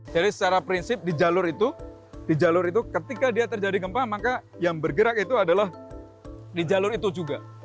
jadi secara prinsip di jalur itu ketika dia terjadi gempa maka yang bergerak itu adalah di jalur itu juga